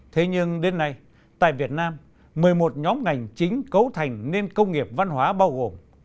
thế nhưng đến nay tại việt nam một mươi một nhóm ngành chính cấu thành nền công nghiệp văn hóa bao gồm